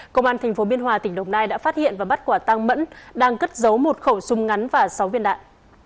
công an tp biên hòa tỉnh đồng nai đã phát hiện và bắt quả tăng mẫn đang cất giấu một khẩu súng ngắn và sáu viên đạn